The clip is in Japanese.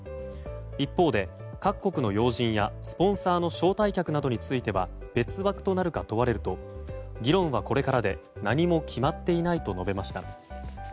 一方で、各国の要人やスポンサーの招待客などについては別枠となるか問われると議論はこれからで何も決まっていないと述べました。